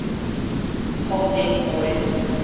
福德街